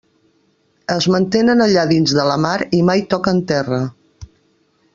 Es mantenen allà dins de la mar i mai toquen terra.